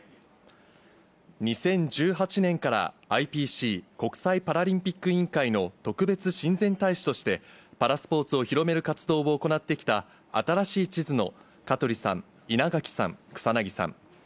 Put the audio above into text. ２０１８年から、ＩＰＣ・国際パラリンピック委員会の特別親善大使として、パラスポーツを広める活動を行ってきた、新しい地図の香取さん、稲垣さん、草なぎさん。